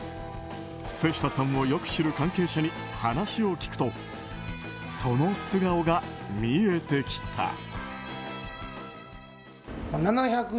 瀬下さんをよく知る関係者に話を聞くとその素顔が見えてきた。